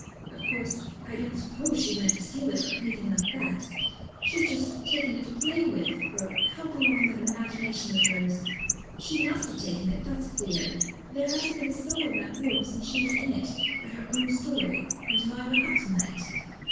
"Of course, I don't suppose she meant to steal it or anything like that. She's just taken it to play with or help along that imagination of hers. She must have taken it, that's clear, for there hasn't been a soul in that room since she was in it, by her own story, until I went up tonight.